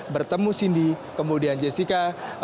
bertemu cindy kemudian jessica